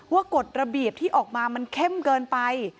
กฎระเบียบที่ออกมามันเข้มเกินไป